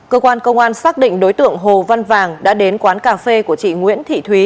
cơ quan công an xác định đối tượng hồ văn vàng đã đến quán cà phê của chị nguyễn thị thúy